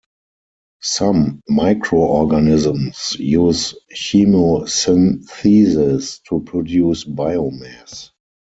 Some microorganisms use chemosynthesis to produce biomass.